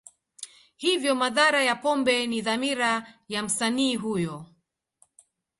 Hivyo, madhara ya pombe ni dhamira ya msanii huyo.